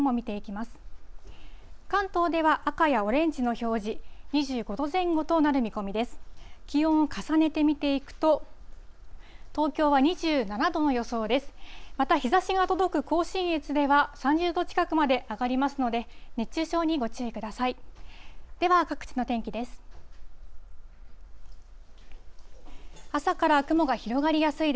また日ざしが届く甲信越では、３０度近くまで上がりますので、熱中症にご注意ください。